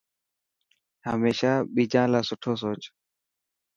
هميشا ٻجي لاءِ سٺو سوچ.